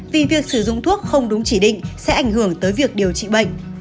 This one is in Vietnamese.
vì việc sử dụng thuốc không đúng chỉ định sẽ ảnh hưởng tới việc điều trị bệnh